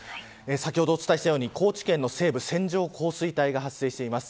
先ほどお伝えしたように高知県の西部線状降水帯が発生しています。